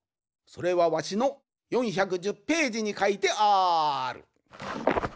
それはわしの４１０ページにかいてある。